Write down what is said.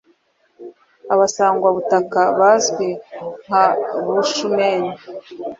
Abasangwabutaka bazwi nka Bushmen”.